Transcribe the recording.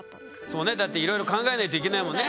だっていろいろ考えないといけないもんね。